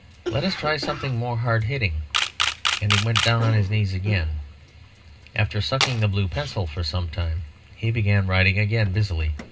Let's try something more hard hitting." And he went down on his knees again. After sucking the blue pencil for some time, he began writing again busily.